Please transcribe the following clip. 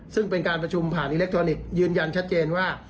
ซึ่งเป็นการประชุมผ่านอิเล็กทรอนิกส์ยืนยันชัดเจนว่า